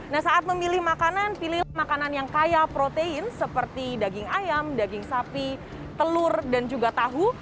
nah saat memilih makanan pilihlah makanan yang kaya protein seperti daging ayam daging sapi telur dan juga tahu